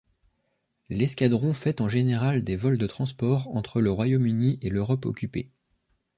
L'escadron fait en général des vols de transport entre le Royaume-Uni et l'Europe occupée.